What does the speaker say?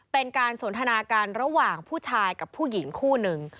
เป็นการสนทนากันระหว่างผู้ชายกับผู้หญิงคู่หนึ่ง